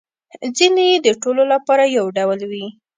ځینې يې د ټولو لپاره یو ډول وي